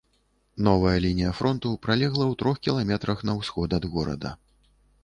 Новая лінія фронту пралегла ў трох кіламетрах на ўсход ад горада.